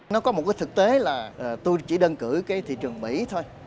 nó có một thực tế là tôi chỉ đơn cử thị trường mỹ thôi